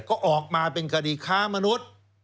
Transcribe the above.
ก็ออกมาเป็นคดีค้ามนุษย์